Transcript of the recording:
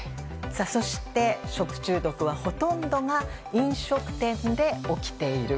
そして、食中毒はほとんどが飲食店で起きている。